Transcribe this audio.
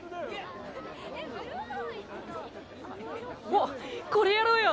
おっこれやろうよ。